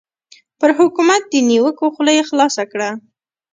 پر حکومت د نیوکو خوله یې خلاصه کړه.